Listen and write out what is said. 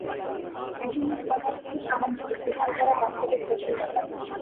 বিভিন্ন ধর্মের মধ্যে সামঞ্জস্য বিধান করা বাস্তবিক কঠিন ব্যাপার।